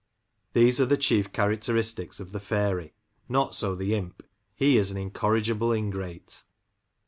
These are the chief characteristics oif the £airy ; not so the imp, he is an incorrigible ingrate.